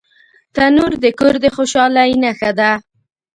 تنور د کور د خوشحالۍ نښه ده